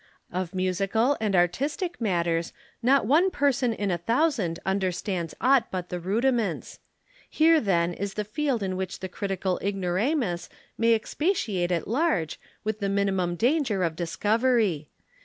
Of musical and artistic matters not one person in a thousand understands aught but the rudiments: here, then, is the field in which the critical ignoramus may expatiate at large with the minimum danger of discovery.